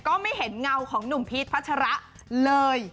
ก็ไม่เห็นเงาของหนุ่มพีชพัชระเลย